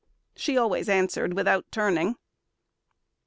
She always answered without turning.